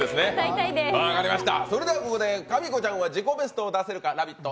かみこちゃんは自己ベストを出せるかラヴィット！